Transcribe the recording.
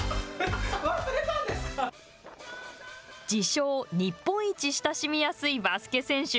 自称、日本一親しみやすいバスケット選手。